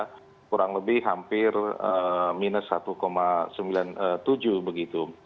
kurang lebih hampir minus satu sembilan puluh tujuh begitu